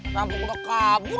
nabok udah kabur